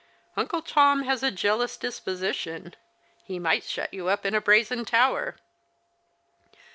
Uncle Tom has a jealous dis position. He might shut you up in a brazen tower."